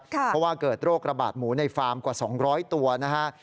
เพราะว่าเกิดโรคระบาดหมูในฟาร์มกว่า๒๐๐ตัวนะฮะ